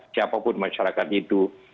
siapapun masyarakat itu